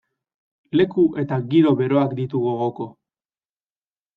Leku eta giro beroak ditu gogoko.